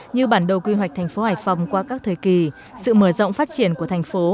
như bản đồ quy hoạch thành phố hải phòng qua các thời kỳ sự mở rộng phát triển của thành phố